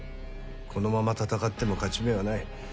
このまま戦っても勝ち目はない。